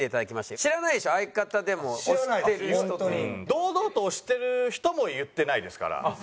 堂々と推してる人も言ってないですから。